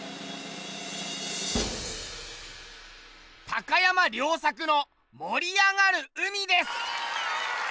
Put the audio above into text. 高山良策の「盛りあがる海」です。